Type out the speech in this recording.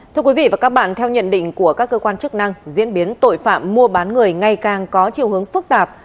thưa quý vị và các bạn theo nhận định của các cơ quan chức năng diễn biến tội phạm mua bán người ngày càng có chiều hướng phức tạp